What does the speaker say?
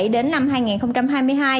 đến năm hai nghìn hai mươi hai